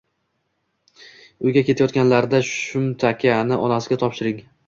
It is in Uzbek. Uyga ketayotganlarida shumtakani onasiga topshiring.